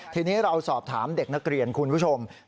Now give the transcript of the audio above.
ทีนี้เราสอบถามเด็กนักเรียนคุณผู้ชม